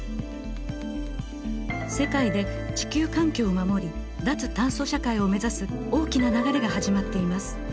世界で地球環境を守り脱炭素社会を目指す大きな流れが始まっています。